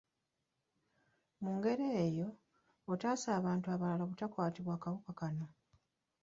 Mu ngeri eyo, otaasa abantu abalala obutakwatibwa kawuka kano.